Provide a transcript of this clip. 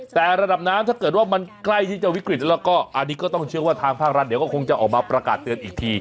แต่ระดับน้ำถ้าเกิดว่ามันใกล้ที่จะวิกฤตแล้วก็อันนี้ก็ต้องเชื่อว่าทางภาครัฐเดี๋ยวก็คงจะออกมาประกาศเตือนอีกที